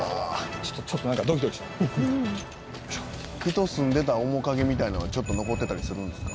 「うわあ」「人住んでた面影みたいのはちょっと残ってたりするんですか？」